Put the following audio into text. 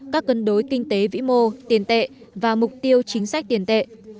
các cân đối kinh tế vĩ mô tiền tệ và mục tiêu chính sách tiền tệ